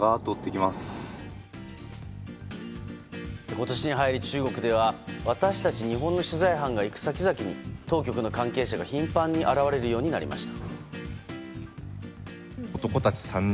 今年に入り中国では私たち日本の取材班が行く先々に当局の関係者が頻繁に現れるようになりました。